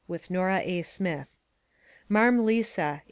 (With Nora A. Smith.) Marm Lisa, 1896.